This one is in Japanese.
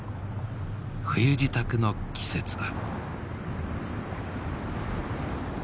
冬支度の季節だ。